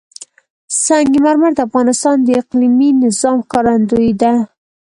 سنگ مرمر د افغانستان د اقلیمي نظام ښکارندوی ده.